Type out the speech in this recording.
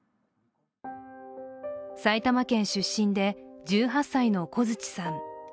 埼玉県出身で、１８歳の小槌さん。